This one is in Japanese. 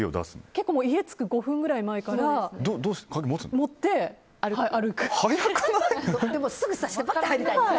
結構、家着く５分くらい前から持って歩きます。